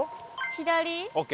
左？